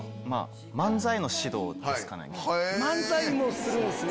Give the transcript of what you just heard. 漫才もするんすね。